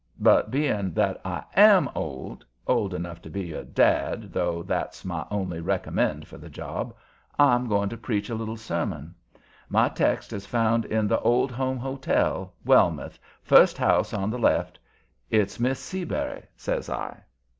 But, being that I AM old old enough to be your dad, though that's my only recommend for the job I'm going to preach a little sermon. My text is found in the Old Home Hotel, Wellmouth, first house on the left. It's Miss Seabury," says I.